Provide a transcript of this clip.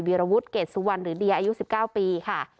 วีรวุทธ์เกษุวรรณหรือเดียอายุ๑๙ปี